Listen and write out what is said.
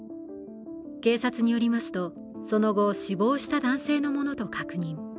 警察によりますと、その後、死亡した男性のものと確認。